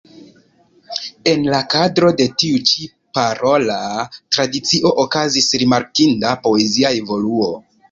En la kadro de tiu ĉi parola tradicio okazis rimarkinda poezia evoluo.